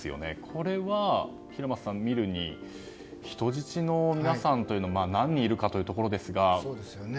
これは、平松さん見るに人質の皆さんは何人いるかというところですが。